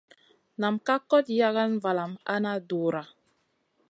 Nam ka kot yagana valam a na dura.